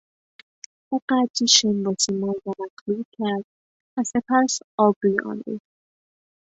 او قدری شن با سیمان را مخلوط کرد و سپس آب روی آن ریخت.